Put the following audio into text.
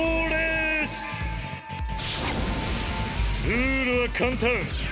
ルールは簡単。